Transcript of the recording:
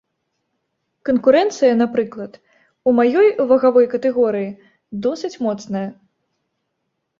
Канкурэнцыя, напрыклад, у маёй вагавой катэгорыі, досыць моцная.